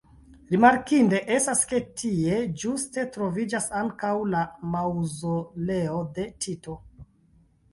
Rimarkinde estas ke tie ĝuste troviĝas ankaŭ la maŭzoleo de Tito.